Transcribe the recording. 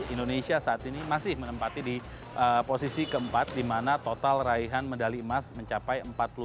indonesia saat ini masih menempati di posisi keempat di mana total raihan medali emas mencapai empat puluh lima